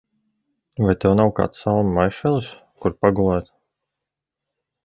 Vai tev nav kāds salmu maišelis, kur pagulēt?